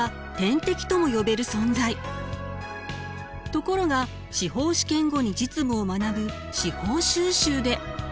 ところが司法試験後に実務を学ぶ司法修習で。